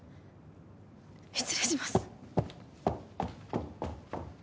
失礼します。